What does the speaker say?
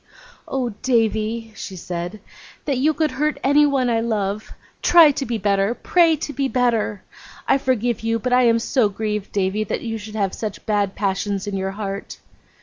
'Oh, Davy!' she said. 'That you could hurt anyone I love! Try to be better, pray to be better! I forgive you; but I am so grieved, Davy, that you should have such bad passions in your heart.